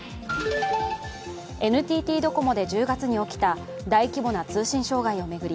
ＮＴＴドコモで１０月に起きた大規模な通信障害を巡り